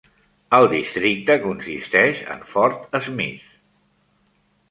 El districte consisteix en Fort Smith.